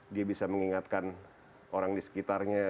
dia bisa mengingatkan orang di sekitarnya